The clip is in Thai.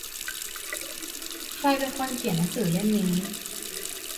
ใครเป็นคนเขียนหนังสือเล่มนี้